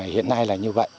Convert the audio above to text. hiện nay là như vậy